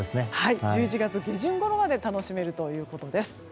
１１月下旬ごろまで楽しめるということです。